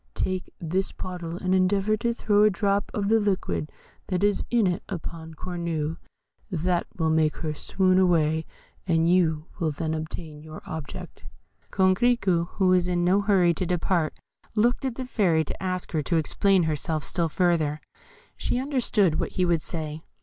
Take this bottle, and endeavour to throw a drop of the liquid that is in it upon Cornue. That will make her swoon away, and you will then obtain your object." Coquerico, who was in no hurry to depart, looked at the Fairy to ask her to explain herself still further: she understood what he would say.